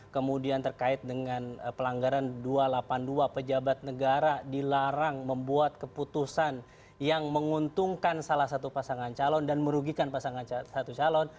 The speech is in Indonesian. kemudian terkait dengan pelanggaran dua ratus delapan puluh dua pejabat negara dilarang membuat keputusan yang menguntungkan salah satu pasangan calon dan merugikan pasangan satu calon